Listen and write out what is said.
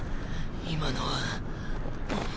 今のは。